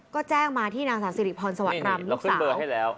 ก็แจ้งมาที่นางศาสิริพรสวรรค์กรรมนี่สาวนี่เราขึ้นเบอร์ให้แล้ว